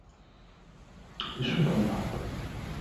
Bishop erwarb.